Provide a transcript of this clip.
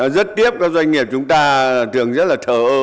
rất tiếp các doanh nghiệp chúng ta thường rất là thờ ơ